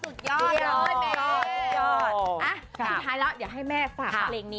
สุดยอดผิดท้ายแล้วอยากให้แม่ฝากตัวเล่นนี้